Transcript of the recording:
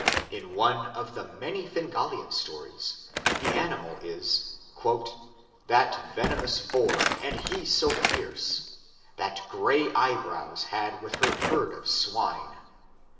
In one of the many Fingalian stories the animal is ... That venomous boar, and he so fierce, That Grey Eyebrows had with her herd of swine.